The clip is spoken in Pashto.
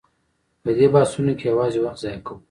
په دې بحثونو کې یوازې وخت ضایع کوو.